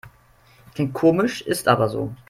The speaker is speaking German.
Klingt komisch, ist aber so.